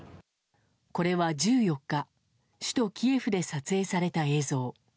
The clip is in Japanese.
これは１４日、首都キエフで撮影された映像。